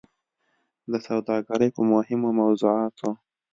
د سوداګرۍ په مهمو موضوعاتو